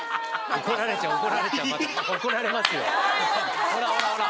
怒られちゃう怒られちゃう怒られますよほらほらほら。